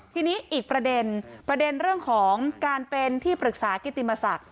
ทีนี้อีกประเด็นประเด็นเรื่องของการเป็นที่ปรึกษากิติมศักดิ